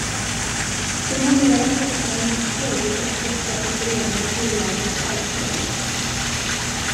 Hon har mera krafter än du tror att offra på Förenade Bolagens altare.